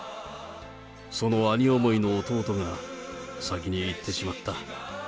その兄想いの弟が、先に逝ってしまった。